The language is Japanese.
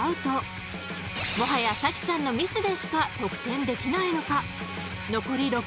［もはや咲ちゃんのミスでしか得点できないのか］